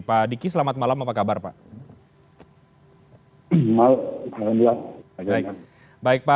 pak diki selamat malam apa kabar pak